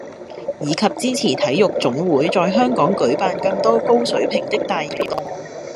以及支持體育總會在香港舉辦更多高水平的大型體育活動